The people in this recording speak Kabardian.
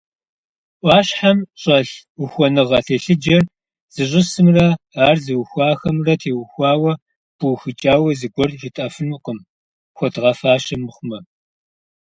Ӏуащхьэм щӀэлъ ухуэныгъэ телъыджэр зищӀысымрэ ар зыухуахэмрэ теухуауэ пыухыкӀауэ зыгуэр жытӀэфынукъым, хуэдгъэфащэ мыхъумэ.